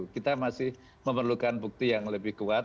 kita masih memerlukan bukti yang lebih kuat